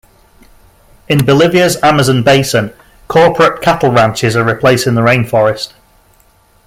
In Bolivia's Amazon basin, corporate cattle ranches are replacing the rain forest.